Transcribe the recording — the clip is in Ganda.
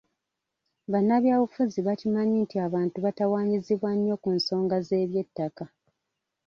Bannabyabufuzi bakimanyi nti abantu batawaanyizibwa nnyo ku nsonga z’eby'ettaka.